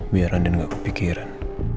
biar andien gak kepikiran